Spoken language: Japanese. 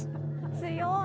強い。